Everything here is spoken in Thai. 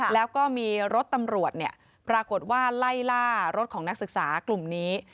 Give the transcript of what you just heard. แล้วก็มีรถตำรวจปรากฏว่าไล่ล่ารถของนักศึกษากลุ่มนี้